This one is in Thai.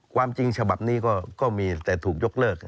ความจริงฉบับนี้ก็มีแต่ถูกยกเลิก